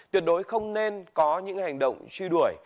tuyệt đối không nên có những hành động truy đuổi